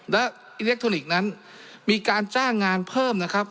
และอิเล็กทรอนิกส์นั้นมีการจ้างงานเพิ่มนะครับ